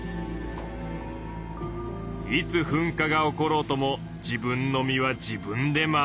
いつ噴火が起ころうとも自分の身は自分で守りきる。